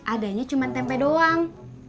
adanya cuma tempe doang